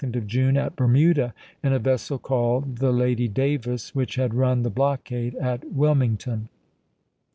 the 22d of June at Bermuda in a vessel called the Lady Davis, which had run the blockade at Wil mington.